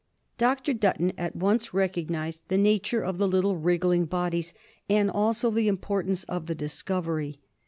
Dr. Dutton at once recognised the nature of the little wriggling bodits and also the importance of the discovery.